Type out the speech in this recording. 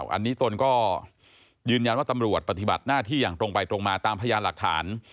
อันนี้ตนก็ยืนยันว่าตำรวจปฏิบัติหน้าที่อย่างตรงไปตรงมาตามพยานหลักฐาน